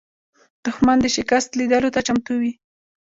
دښمن د شکست لیدلو ته چمتو وي